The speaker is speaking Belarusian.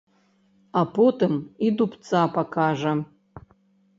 А потым і дубца пакажа.